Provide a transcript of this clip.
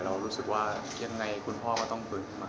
เรารู้สึกว่ายังไงคุณพ่อต้องพึ้งมาก